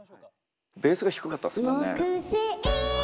ベースが低かったっすもんね。